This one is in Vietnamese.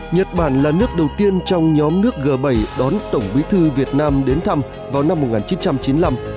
nhật bản là nước đầu tiên trong nhóm nước g bảy đón tổng bí thư việt nam đến thăm vào năm một nghìn chín trăm chín mươi năm